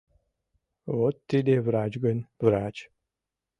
Вот тиде врач гын, врач!